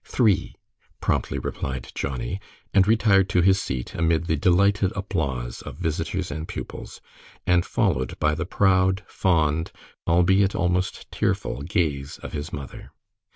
"Three," promptly replied Johnnie, and retired to his seat amid the delighted applause of visitors and pupils, and followed by the proud, fond, albeit almost tearful, gaze of his mother.